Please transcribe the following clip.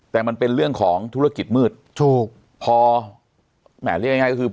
แต่มันเป็นเรื่องของธุรกิจมืดถูกพอแหมเรียกง่ายง่ายก็คือ